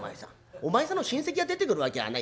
お前さんの親戚が出てくるわきゃない。